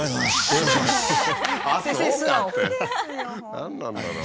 何なんだろう。